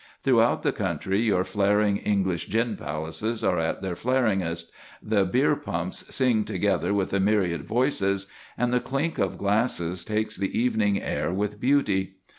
Throughout the country your flaring English gin palaces are at their flaringest; the beer pumps sing together with a myriad voices, and the clink of glasses takes the evening air with beauty.